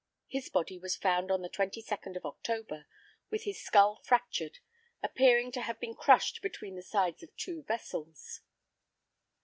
His body was found on the twenty second of October, with his skull fractured, appearing to have been crushed between the sides of two vessels.